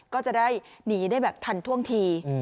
ก็จะได้หนีได้แบบทันท่วงที